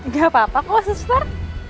gak apa apa kok stifar